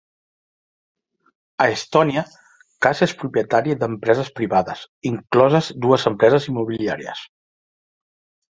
A Estònia, Kass és propietari d'empreses privades, incloses dues empreses immobiliàries.